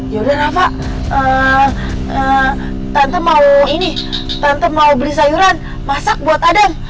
yaudah rafa tante mau ini tante mau beli sayuran masak buat adeng